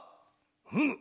うむ。